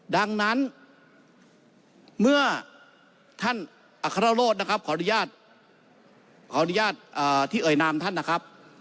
ดังนั้นเมื่อท่านอัครโรธนะครับขออนุญาตขออนุญาตที่เอ่ยนามท่านนะครับ